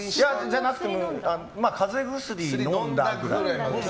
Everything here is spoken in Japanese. じゃなくても風邪薬飲んだくらい。